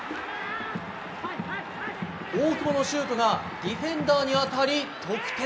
大久保のシュートがディフェンダーに当たり得点。